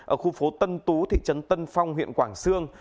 ở khu phố tân tú thị trấn tân phong huyện quảng sương